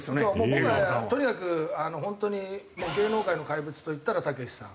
僕はとにかく本当に芸能界の怪物といったらたけしさん。